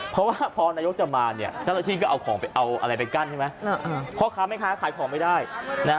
เพราะว่าพอนายกจะมาท่านตลอดที่ก็เอาอะไรไปกั้นใช่ไหม